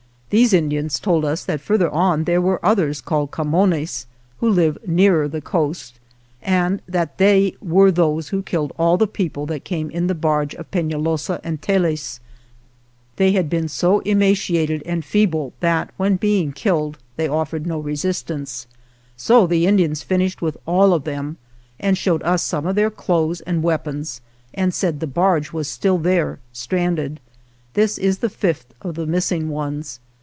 These Indians told us that further on there were others called Camones, who live nearer the coast, and that they were those who killed all the people that came in the barge of Penalosa and Tellez. They had been so emaciated and feeble that when being killed 97 THE JOURNEY OF they offered no resistance. So the Indians finished with all of them, and showed us some of their clothes and weapons and said the barge was still there stranded. This is the fifth of the missing ones.